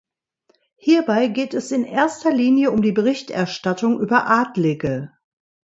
Hierbei geht es in erster Linie um die Berichterstattung über Adlige.